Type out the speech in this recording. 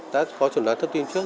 đã có chuẩn đoán thấp tim trước